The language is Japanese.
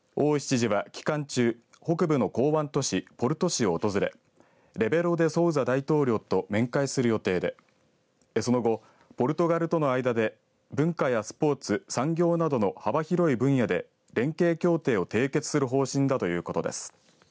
大石知事は期間中北部の港湾都市ポルト市を訪れレベロ・デ・ソウザ大統領と面会する予定でその後、ポルトガルとの間で文化やスポーツ、産業などの幅広い文化で連携協定を締結する方針だということです。